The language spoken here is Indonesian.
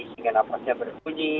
sehingga nafasnya berbunyi